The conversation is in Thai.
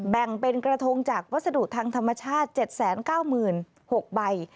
แบ่งเป็นกระทงจากวัสดุทางธรรมชาติ๗๙๖ใบ